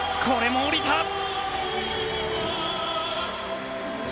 これもおりた！